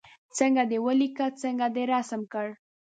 څنګه دې ولیکه څنګه دې رسم کړ.